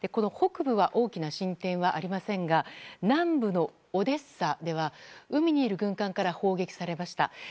北部は大きな進展はありませんが南部のオデッサでは海にいる軍艦から砲撃されました。